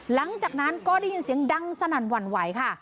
หลังจากนั้นก็ได้ยินเสียงดังสนั่นหวั่นไหวค่ะ